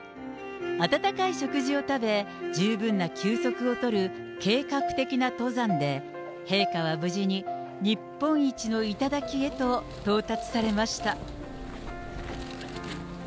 温かい食事を食べ、十分な休息をとる計画的な登山で、陛下は無事に日本一の頂へと到達されました。